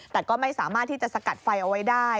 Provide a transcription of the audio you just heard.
แต่ก็ไม่สามารถที่จะสกัดไฟเอาไว้ได้